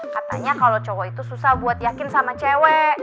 katanya kalau cowok itu susah buat yakin sama cewek